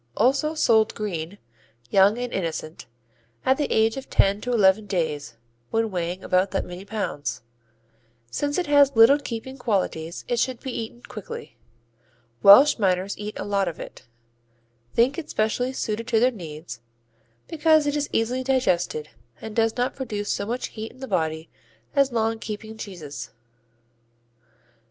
Also sold "green," young and innocent, at the age of ten to eleven days when weighing about that many pounds. Since it has little keeping qualities it should be eaten quickly. Welsh miners eat a lot of it, think it specially suited to their needs, because it is easily digested and does not produce so much heat in the body as long keeping cheeses.